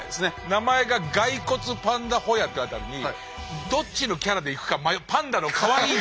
名前がガイコツパンダホヤっていう辺りにどっちのキャラでいくか迷うパンダのかわいい。